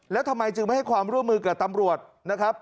แล้วทำไมจึงไม่ให้ความร่วมมือกับตำรวจนะครับ